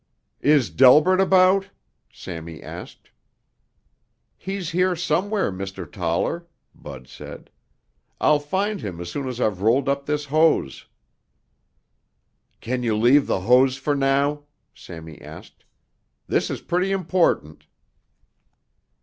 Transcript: "Is Delbert about?" Sammy asked. "He's here somewhere, Mr. Toller," Bud said. "I'll find him as soon as I've rolled up this hose." "Can you leave the hose for now?" Sammy asked. "This is pretty important."